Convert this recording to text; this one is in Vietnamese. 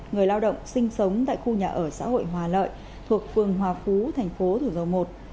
người lao động sinh sống tại khu nhà ở xã hội hòa lợi thuộc phường hòa phú thành phố thủ dầu một